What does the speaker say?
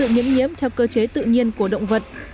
nhiễm nhiễm theo cơ chế tự nhiên của động vật